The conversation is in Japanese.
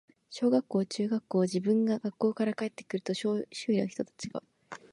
小学校、中学校、自分が学校から帰って来ると、周囲の人たちが、